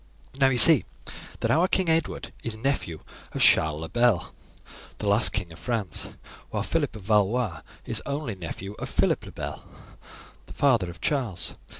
"Now, you see that our King Edward is nephew of Charles le Bel, the last King of France, while Phillip of Valois is only nephew of Phillip le Bel, the father of Charles.